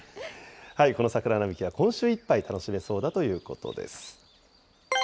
この桜並木は、今週いっぱい楽しめそうだということです。